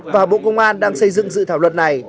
và bộ công an đang xây dựng dự thảo luật này